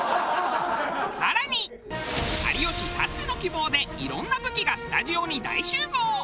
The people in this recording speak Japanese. さらに有吉たっての希望で色んな武器がスタジオに大集合。